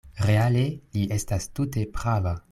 Reale li estas tute prava.